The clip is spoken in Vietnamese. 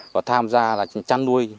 và tham gia là trang nuôi